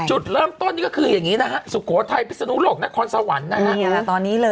จุดเริ่มต้นนี่คือสุโขทัยพิษสนุโลกในอนุสัย